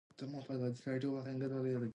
دجرګمارو لخوا جبار ته وويل: